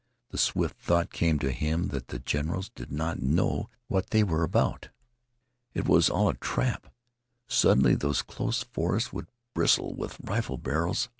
The swift thought came to him that the generals did not know what they were about. It was all a trap. Suddenly those close forests would bristle with rifle barrels.